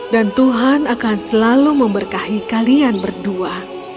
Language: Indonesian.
dan tuhan akan selalu memberkahi kalian berdua